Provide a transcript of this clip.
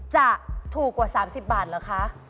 จะถูกกว่า๓๐บาทเหรอคะ